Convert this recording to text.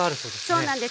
そうなんです。